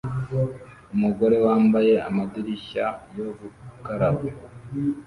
Umugore wambaye amadirishya yo gukaraba